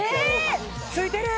ついてる！